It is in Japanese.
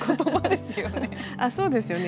そうですよね。